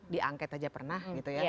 diangket aja pernah gitu ya